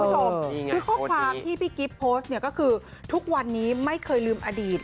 คือข้อความที่พี่กิฟต์โพสต์เนี่ยก็คือทุกวันนี้ไม่เคยลืมอดีต